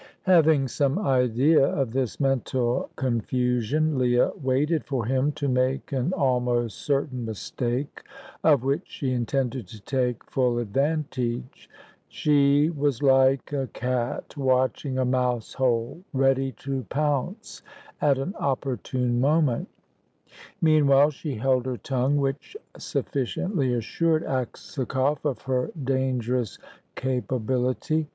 Having some idea of this mental confusion, Leah waited for him to make an almost certain mistake, of which she intended to take full advantage. She was like a cat watching a mouse hole, ready to pounce at an opportune moment. Meanwhile, she held her tongue, which sufficiently assured Aksakoff of her dangerous capability.